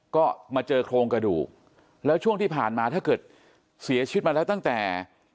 ก็มาเจอโครงกระดูกแล้วช่วงที่ผ่านมาถ้าเกิดเสียชีวิตมาแล้วตั้งแต่